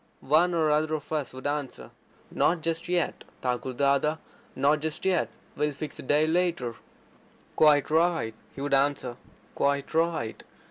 One or other of us would answer: "Not just yet, Thakur Dada, not just yet. We'll fix a day later." "Quite right," he would answer. "Quite right.